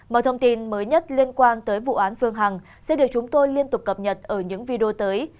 mọi thông tin mới nhất liên quan tới vụ án phương hằng sẽ được chúng tôi liên tục cập nhật ở những video tới